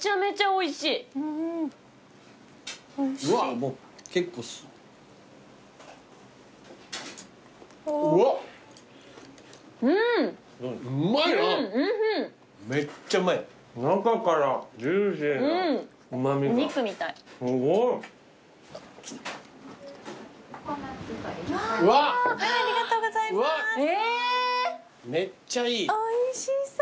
おいしそう！